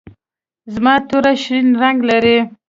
زما توره شین رنګ لري.